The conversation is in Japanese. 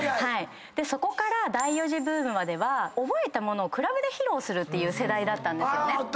そこから第４次ブームまでは覚えたものをクラブで披露する世代だったんですよね。